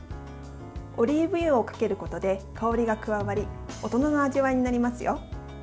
オリーブ油をかけることで香りが加わり大人の味わいになりますよ。